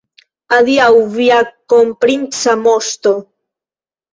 Adiaŭ, via kronprinca moŝto!